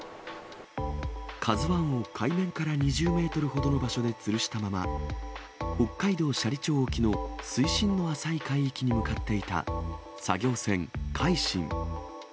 ＫＡＺＵＩを海面から２０メートルほどの場所でつるしたまま、北海道斜里町沖の水深の浅い海域に向かっていた作業船、海進。